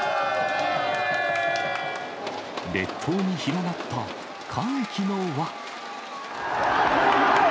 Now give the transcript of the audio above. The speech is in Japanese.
列島に広がった歓喜の輪。